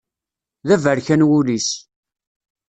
D aberkan wul-is.